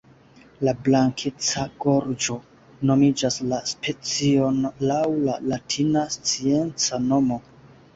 La blankeca gorĝo nomigas la specion laŭ la latina scienca nomo.